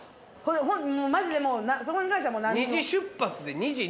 マジでそこに対しては何にも。